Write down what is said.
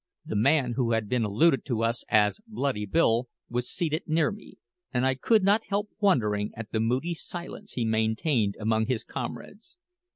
The man who had been alluded to as Bloody Bill was seated near me, and I could not help wondering at the moody silence he maintained among his comrades.